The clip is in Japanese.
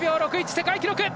世界記録！